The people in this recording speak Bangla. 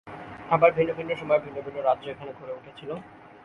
আবার ভিন্ন ভিন্ন সময়ে ভিন্ন ভিন্ন রাজ্য এখানে গড়ে উঠেছিল।